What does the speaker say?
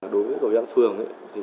đối với đội án phường